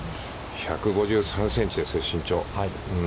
１５３センチですよ、身長。